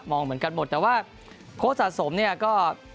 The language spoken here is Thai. เหมือนกันหมดแต่ว่าโค้ชสะสมเนี่ยก็